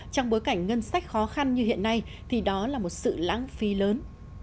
trong bối cảnh ngân sách khó khăn như hiện nay thì đó là một sự lãng phí lớn